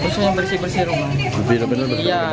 sama bersih bersih rumah